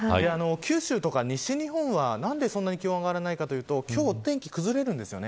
九州とか西日本は、何でそんなに気温が上がらないかというと今日はお天気が崩れるんです。